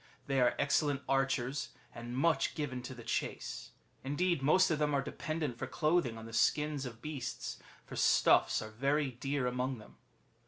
^ They are excellent archers, and much given to the chase ; indeed, most of them are dependent for clothing on the skins of beasts, for stuffs are very dear among them.